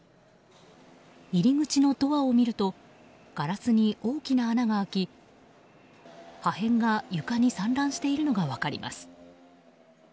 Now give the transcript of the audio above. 入り口のドアを見るとガラスに大きな穴が開き破片が床に散乱しているのが分かります。